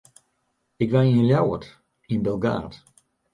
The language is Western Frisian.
Ik wenje yn Ljouwert, yn Bilgaard.